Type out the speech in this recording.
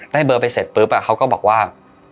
เบอร์ไปเสร็จปุ๊บเขาก็บอกว่า